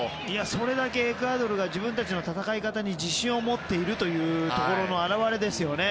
それだけエクアドルが自分たちの戦い方に自信を持っているというところの表れですよね。